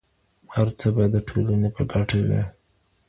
هر څه باید د ټولني په ګټه وي.